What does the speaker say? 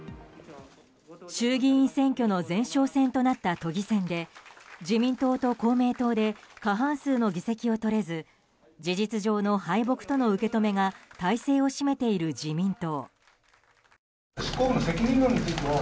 衆議院選挙の前哨戦となった都議選で自民党と公明党で過半数の議席をとれず事実上の敗北との受け止めが大勢を占めている自民党。